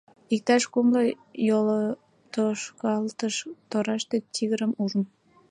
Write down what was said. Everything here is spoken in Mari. Иктаж кумло йолтошкалтыш тораште тигрым ужым.